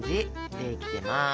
できてます。